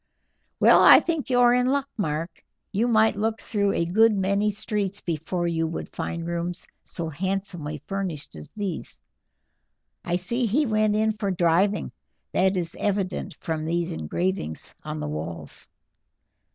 "Well, I think you are in luck, Mark; you might look through a good many streets before you would find rooms so fashionably furnished as these. I see he went in for driving; that is evident from these engravings on the walls."